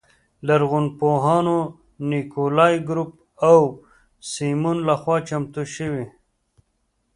لرغونپوهانو نیکولای ګروب او سیمون لخوا چمتو شوې.